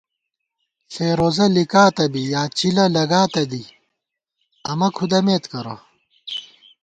ݪېروزہ لِکاتہ بی یا چِلہ لگاتہ دی امہ کھُدَمېت کرہ